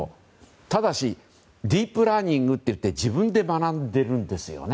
ただしディープランニングといって自分で学んでいるんですよね。